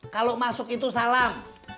kalau masuk itu salam